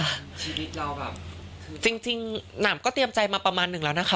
ชีวิตเราแบบจริงหนามก็เตรียมใจมาประมาณหนึ่งแล้วนะคะ